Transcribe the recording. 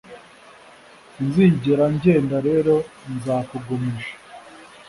sinzigera ngenda Rero nzakugumisha